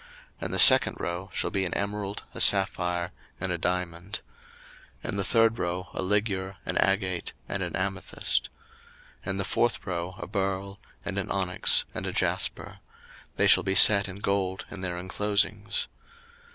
02:028:018 And the second row shall be an emerald, a sapphire, and a diamond. 02:028:019 And the third row a ligure, an agate, and an amethyst. 02:028:020 And the fourth row a beryl, and an onyx, and a jasper: they shall be set in gold in their inclosings.